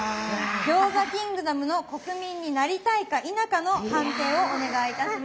餃子キングダムの国民になりたいか否かの判定をお願いいたします。